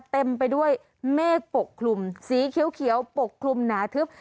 เต็มไปด้วยเมฆปกคลุมสีเขียวปกคลุมหนาทึบ